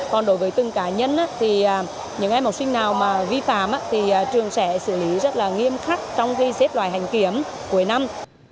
còn đối với từng cá nhân thì những em học sinh nào vi phạm thì trường sẽ xử lý rất nghiêm khắc trong khi xếp loài hành kiểm cuối năm